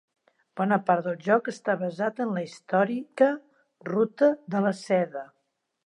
Bona part del joc està basat en la històrica Ruta de la Seda.